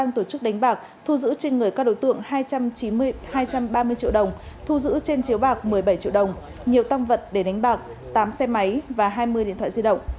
tổ chức đánh bạc thu giữ trên người các đối tượng hai trăm ba mươi triệu đồng thu giữ trên chiếu bạc một mươi bảy triệu đồng nhiều tăng vật để đánh bạc tám xe máy và hai mươi điện thoại di động